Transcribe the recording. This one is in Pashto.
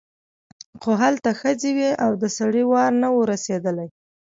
خو هلته ښځې وې او د سړي وار نه و رسېدلی.